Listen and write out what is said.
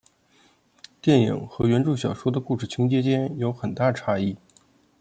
电影和原着小说的故事情节间有很大差异。